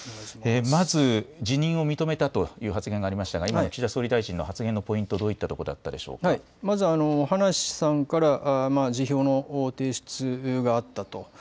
まず、辞任を認めたという発言がありましたが、今の岸田総理大臣の発言のポイント、どういったとまず、葉梨さんから辞表の提出があったと。